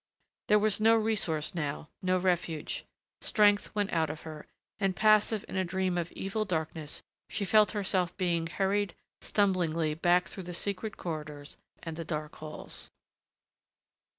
There was no resource, now, no refuge.... Strength went out of her, and passive in a dream of evil darkness she felt herself being hurried, stumblingly, back through the secret corridors and the dark halls.